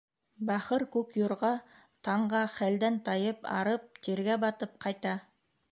Бахыр күк юрға таңға хәлдән тайып арып, тиргә батып ҡайта.